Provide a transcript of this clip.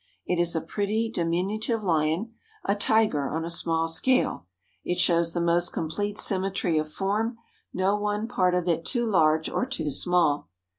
It is a pretty, diminutive lion, a tiger on a small scale. It shows the most complete symmetry of form, no one part of it too large or too small.